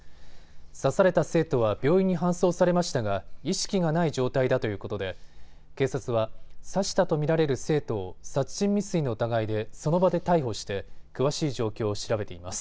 刺された生徒は病院に搬送されましたが意識がない状態だということで警察は刺したと見られる生徒を殺人未遂の疑いでその場で逮捕して詳しい状況を調べています。